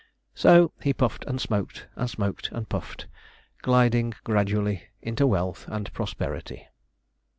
So he puffed and smoked, and smoked and puffed gliding gradually into wealth and prosperity.